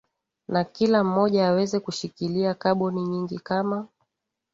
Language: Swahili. Na kila mmoja aweze kushikilia kaboni nyingi kama